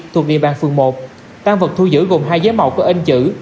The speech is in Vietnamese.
thuộc địa bàn phường một tăng vật thu giữ gồm hai giấy màu có in chữ